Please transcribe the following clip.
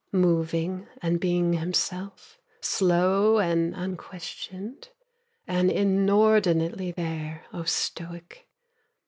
Moving, and being himself, Slow, and unquestioned, And inordinately there, O stoic!